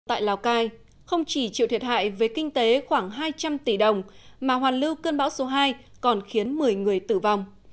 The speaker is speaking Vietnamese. tại lào cai không chỉ chịu thiệt hại về kinh tế khoảng hai trăm linh tỷ đồng mà hoàn lưu cơn bão số hai còn khiến một mươi người tử vong